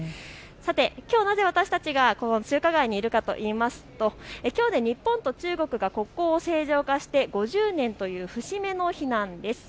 きょう、なぜ私たちが中華街にいるかといいますと日本と中国の国交が正常化して５０年という節目の日なんです。